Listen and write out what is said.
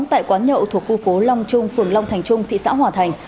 tại quán nhậu thuộc khu phố long trung phường long thành trung thị xã hòa thành